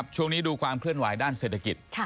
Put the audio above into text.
ช่วงนี้ดูความเคลื่อนไหวด้านเศรษฐกิจ